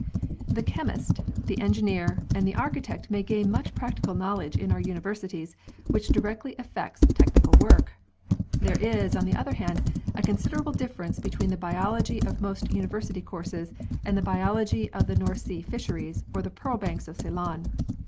The chemist, the engineer, and the architect may gain much practical knowledge in our universities which directly affects technical work. There is, on the other hand, a considerable difference between the biology of most university courses and the biology of the North Sea Fisheries or the Pearl Banks of Ceylon.